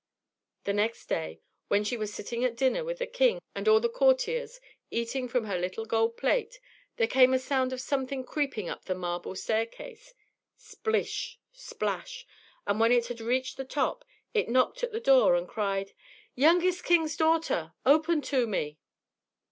The next day, when she was sitting at dinner with the king and all the courtiers, eating from her little gold plate, there came a sound of something creeping up the marble staircase splish, splash; and when it had reached the top, it knocked at the door and cried, "Youngest king's daughter, open to me."